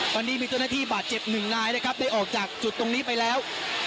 ตอนนี้มีเจ้าหน้าที่บาดเจ็บหนึ่งนายนะครับได้ออกจากจุดตรงนี้ไปแล้ว